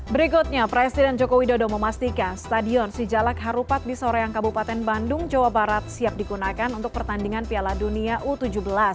berikutnya presiden joko widodo memastikan stadion sijalak harupat di soreang kabupaten bandung jawa barat siap digunakan untuk pertandingan piala dunia u tujuh belas